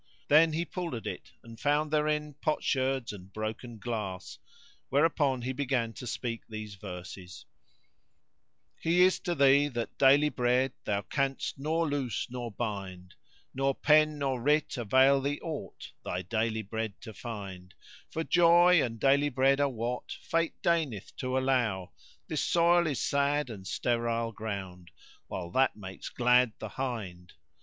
Then he pulled at it and found therein potsherds and broken glass; whereupon he began to speak these verses:— He is to thee that daily bread thou canst nor loose nor bind * Nor pen nor writ avail thee aught thy daily bread to find: For joy and daily bread are what Fate deigneth to allow; * This soil is sad and sterile ground, while that makes glad the hind.